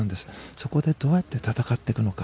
そこでどうやって戦っていくのか。